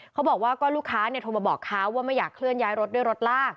เขาบอกว่าก็ลูกค้าโทรมาบอกเขาว่าไม่อยากเคลื่อนย้ายรถด้วยรถลาก